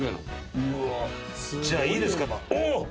じゃあいいですかおっ！